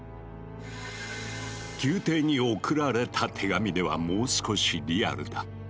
宮廷に送られた手紙ではもう少しリアルだ。